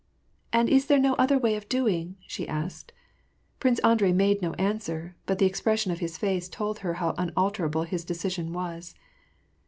" And is there no other way of doing ?" she asked. Prince Andrei made no answer, but the expression of his face told her how unalterable his decision was.